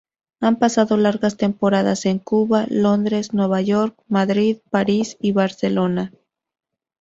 Ha pasado largas temporadas en Cuba, Londres, Nueva York, Madrid, París y Barcelona.